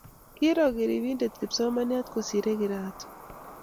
Kiiro ribinde kipsomananiat kosirei kirato